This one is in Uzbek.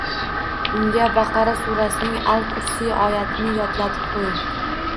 Unga “Baqara” surasining “al-Kursiy” oyatini yodlatib qo‘ying.